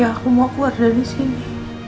aku mau keluar dari sini